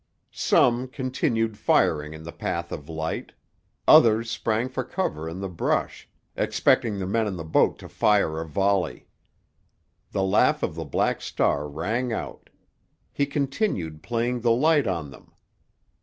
Some continued firing in the path of light; others sprang for cover in the brush, expecting the men on the boat to fire a volley. The laugh of the Black Star rang out; he continued playing the light on them.